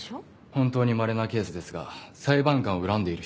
本当にまれなケースですが裁判官を恨んでいる人もいます。